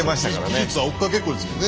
技術は追っかけっこですもんね。